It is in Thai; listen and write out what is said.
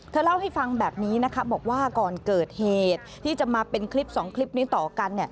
เล่าให้ฟังแบบนี้นะคะบอกว่าก่อนเกิดเหตุที่จะมาเป็นคลิป๒คลิปนี้ต่อกัน